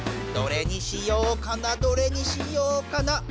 どれにしようかなどれにしようかな。